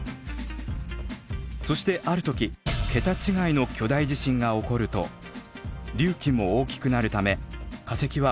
そしてある時ケタ違いの巨大地震が起こると隆起も大きくなるため化石は海面まで戻りきらず